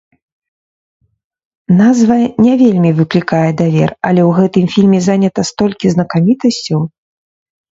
Назва не вельмі выклікае давер, але ў гэтым фільме занята столькі знакамітасцяў!